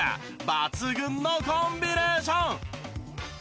抜群のコンビネーション！